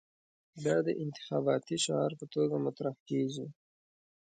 دا د انتخاباتي شعار په توګه مطرح کېږي.